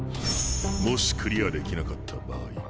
もしクリアできなかった場合。